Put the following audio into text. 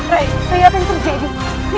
rai lihat yang terjadi